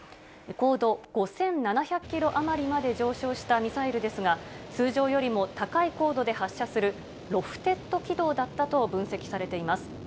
高度５７００キロ余りまで上昇したミサイルですが、通常よりも高い高度で発射する、ロフテッド軌道だったと分析されています。